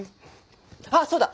あっそうだ！